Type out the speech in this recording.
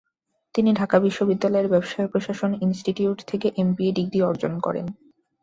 তিনি ঢাকা বিশ্ববিদ্যালয়ের ব্যবসায় প্রশাসন ইনস্টিটিউট থেকে এমবিএ ডিগ্রি অর্জন করেন।